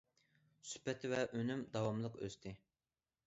سۈپەت ۋە ئۈنۈم داۋاملىق ئۆستى.